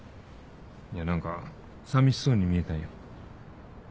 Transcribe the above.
いや何かさみしそうに見えたんよ。